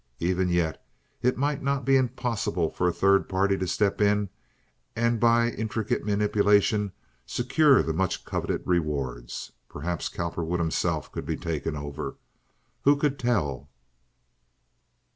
Even yet it might not be impossible for a third party to step in and by intricate manipulation secure the much coveted rewards. Perhaps Cowperwood himself could be taken over—who could tell?